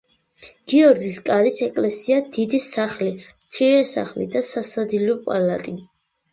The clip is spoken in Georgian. გიორგის კარის ეკლესია, დიდი სახლი, მცირე სახლი და სასადილო პალატი.